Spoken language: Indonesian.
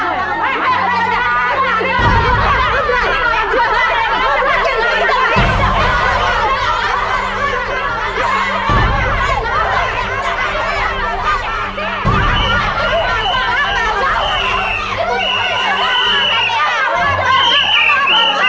siapa yang mulai